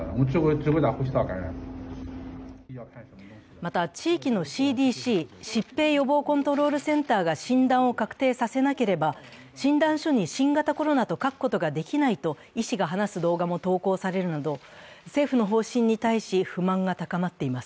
また、地域のＣＤＣ＝疾病予防コントロールセンターが診断を確定させなければ、診断書に新型コロナと書くことができないと医師が話す動画も投稿されるなど政府の方針に対し不満が高まっています。